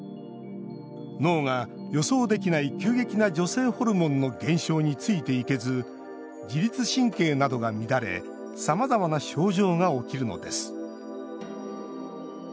脳が、予想できない急激な女性ホルモンの減少についていけず自律神経などが乱れさまざまな症状が起きるのです